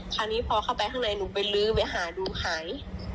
คราวนี้พอเข้าไปข้างในหนูไปลื้อไปหาดูขาย